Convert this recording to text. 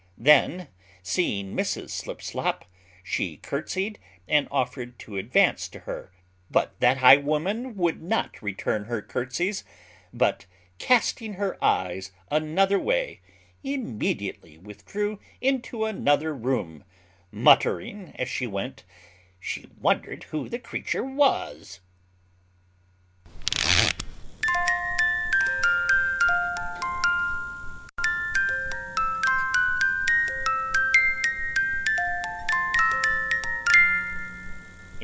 Then, seeing Mrs Slipslop, she curtsied, and offered to advance to her; but that high woman would not return her curtsies; but, casting her eyes another way, immediately withdrew into another room, muttering, as she went, she wondered who the creature was.